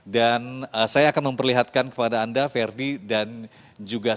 dan saya akan memperlihatkan kepada anda verdi dan juga saya